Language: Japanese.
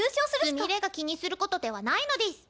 すみれが気にすることではないのデス！